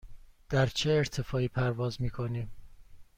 در چه ارتفاعی پرواز می کنیم؟